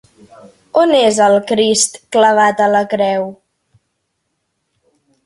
On és el Crist clavat a la creu?